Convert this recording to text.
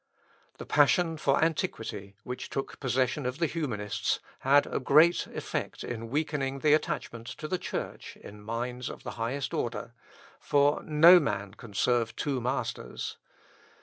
The passion for antiquity, which took possession of the Humanists, had a great effect in weakening the attachment to the Church in minds of the highest order; for "no man can serve two masters."